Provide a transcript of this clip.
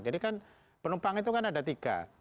jadi kan penumpang itu kan ada tiga